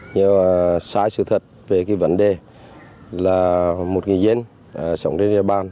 nhiều sai sự thật về vấn đề là một người dân sống trên địa bàn